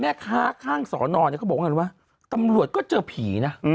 แม่ฆ่าข้างสอนอนก็บอกกันว่าตำรวจก็เจอผีนะ